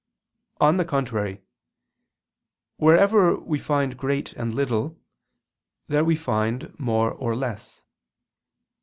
On the contrary, Wherever we find great and little, there we find more or less.